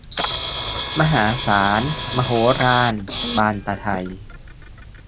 มหาศาล มโหฬาร บานตะไท